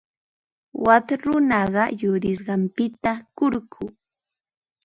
Wak runaqa yurisqanpita kurku.